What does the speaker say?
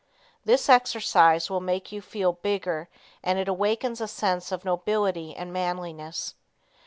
This exercise will make you feel bigger and it awakens a sense of nobility and manliness.